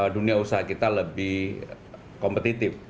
dunia usaha kita lebih kompetitif